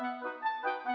jangan k raw ternyata